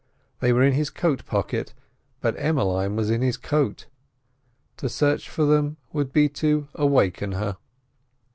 They were in his coat pocket, but Emmeline was in his coat. To search for them would be to awaken her.